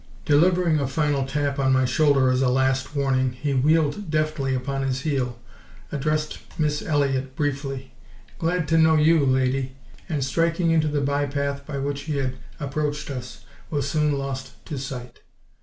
Delivering a final tap on my shoulder as a last warning, he wheeled deftly upon his heel, addressed Miss Elliott briefly, "Glad t' know YOU, lady," and striking into the by path by which he had approached us, was soon lost to sight.